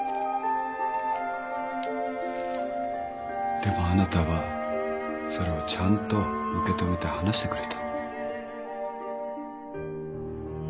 でもあなたはそれをちゃんと受け止めて話してくれた